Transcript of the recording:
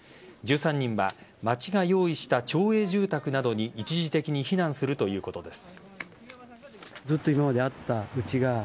１３人は町が用意した町営住宅などに一時的に避難するということです。